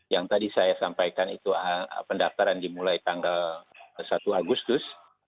yang tadi saya sampaikan itu pendaftaran dimulai tanggal satu agustus